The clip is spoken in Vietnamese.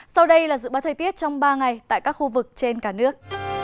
sau đây là dự báo thời tiết trong ba ngày tại các khu vực trên cả nước